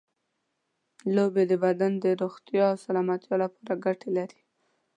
لوبې د بدن د روغتیا او سلامتیا لپاره ګټې لري.